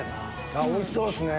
おいしそうっすね。